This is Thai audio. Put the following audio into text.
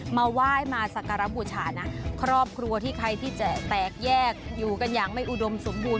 มาไหว้มาสักการะบูชานะครอบครัวที่ใครที่จะแตกแยกอยู่กันอย่างไม่อุดมสมบูรณ